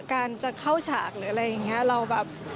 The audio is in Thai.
การจะเข้าฉากหรืออะไรอย่างนี้